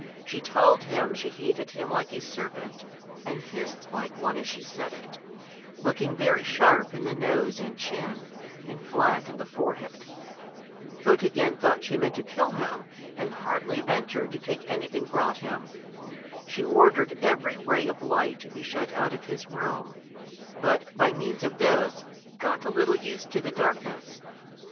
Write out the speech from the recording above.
She told him she hated him like a serpent, and hissed like one as she said it, looking very sharp in the nose and chin, and flat in the forehead. Photogen thought she meant to kill him, and hardly ventured to take anything brought him. She ordered every ray of light to be shut out of his room; but by means of this he got a little used to the darkness.